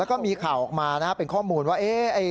แล้วก็มีข่าวออกมานะครับเป็นข้อมูลว่า